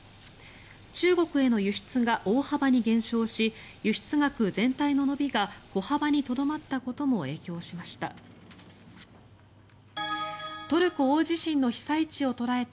中国への輸出が大幅に減少し輸出額全体の伸びが小幅にとどまったことも影響しました。